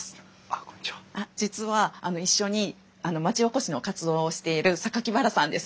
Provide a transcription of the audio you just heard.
実は一緒に町おこしの活動をしている榊原さんです。